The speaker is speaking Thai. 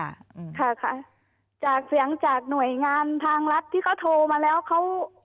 ค่ะค่ะจากเสียงจากหน่วยงานทางรัฐที่เขาโทรมาแล้วเขา